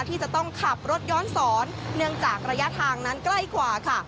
ที่จะต้องขับรถย้อนสอนเนื่องจากระยะทางนั้นใกล้กว่าค่ะ